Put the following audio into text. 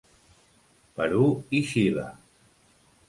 Perú i Xile.